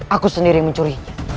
aku sendiri yang mencurinya